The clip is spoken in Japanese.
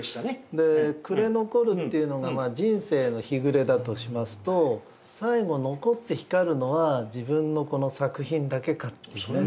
「暮れ残る」っていうのが人生の日暮れだとしますと最後残って光るのは自分のこの作品だけかっていうね。